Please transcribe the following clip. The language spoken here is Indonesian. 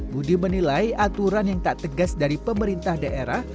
budi menilai aturan yang tak tegas dari pemerintah daerah